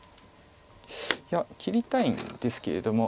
いや切りたいんですけれども。